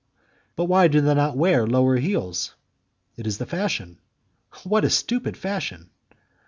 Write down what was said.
"But why do they not wear lower heels?" "It is the fashion." "What a stupid fashion!"